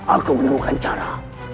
aku menemukan cara